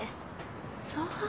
そう